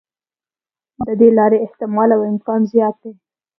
د دې لارې احتمال او امکان زیات دی.